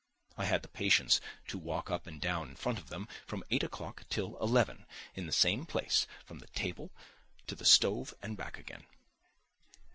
I had the patience to walk up and down in front of them from eight o'clock till eleven, in the same place, from the table to the stove and back again.